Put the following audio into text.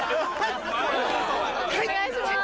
判定お願いします。